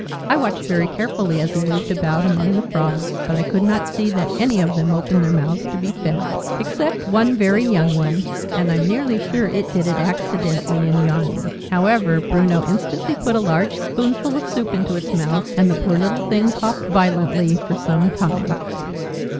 I watched very carefully as he moved about among the Frogs; but I could not see that any of them opened their mouths to be fed except one very young one, and I'm nearly sure it did it accidentally, in yawning. However Bruno instantly put a large spoonful of soup into its mouth, and the poor little thing coughed violently for some time.